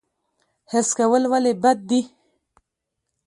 حرص کول ولې بد دي؟